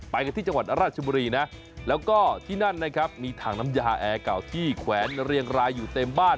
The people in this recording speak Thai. ไปกันที่จังหวัดราชบุรีนะแล้วก็ที่นั่นนะครับมีถังน้ำยาแอร์เก่าที่แขวนเรียงรายอยู่เต็มบ้าน